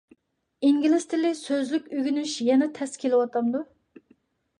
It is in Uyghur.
ئىنگلىز تىلى سۆزلۈك ئۆگىنىش يەنە تەس كېلىۋاتامدۇ؟